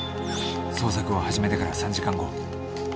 捜索を始めてから３時間後。